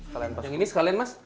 yang ini sekalian mas